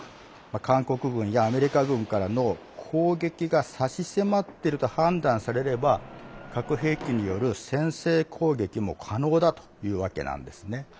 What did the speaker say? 韓国軍やアメリカ軍からの攻撃が差し迫ってると判断されれば核兵器による先制攻撃も可能だというわけなんですね。